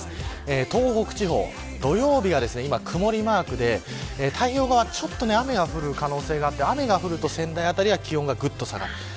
東北地方、土曜日は今、曇りマークで太平洋側、ちょっと雨が降る可能性があって雨が降ると、仙台辺りは気温がぐっと下がる。